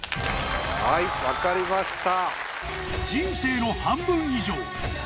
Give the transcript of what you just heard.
はい分かりました。